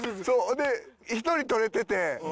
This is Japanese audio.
で１人取れてて。